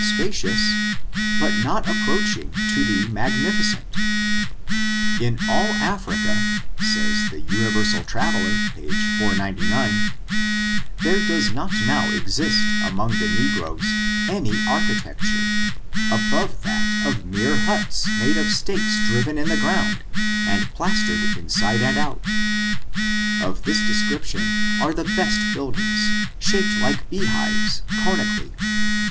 211 spacious, but not approaching to the magnificent In all Africa, says the ^' Universal Traveler," page 499, there does not now exist among the negroes any architecture, above that of mere huts made of stakes driven in the ground, and plastered inside and out ; of this description are their best buildings, shaped like bee hives, conically.